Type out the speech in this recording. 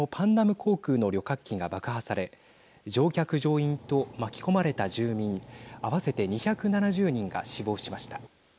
航空の旅客機が爆破され乗客乗員と巻き込まれた住民合わせて２７０人が死亡しました。